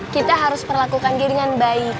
kita harus melakukan dirinya dengan baik